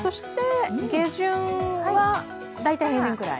下旬は大体平年くらい？